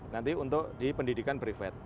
nanti untuk di pendidikan privat